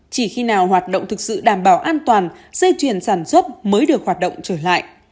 chỉ khi nào hoạt động thực sự đảm bảo an toàn dây chuyển sản xuất mới được hoạt động trở lại